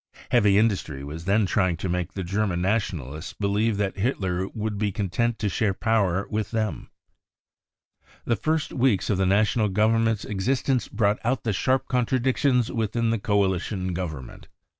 Heavy industry was then trying to make the German Nationalists believe that Hitler would be content to share power with them. The first weeks of the National Government's existence brought out the sharp contradictions within the Coalition government.